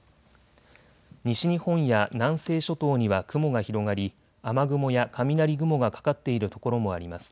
西日本や南西諸島には雲が広がり雨雲や雷雲がかかっている所もあります。